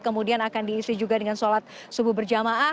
kemudian akan diisi juga dengan sholat subuh berjamaah